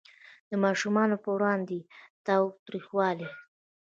د ماشومانو په وړاندې تاوتریخوالی